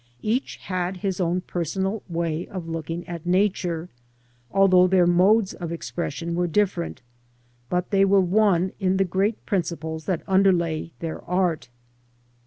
Each had his own personal way of looking at Nature, although their modes of expression were different, but they were one in the great principles that underlay their art.